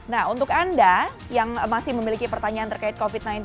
nah untuk anda yang masih memiliki pertanyaan terkait covid sembilan belas